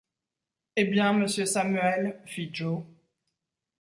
Eh bien, monsieur Samuel ? fit Joe.